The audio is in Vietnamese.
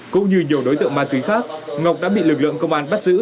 cũng như nhiều đối tượng ma túy khác ngọc đã bị lực lượng công an bắt giữ